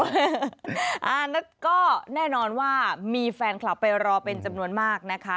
แล้วก็แน่นอนว่ามีแฟนคลับไปรอเป็นจำนวนมากนะคะ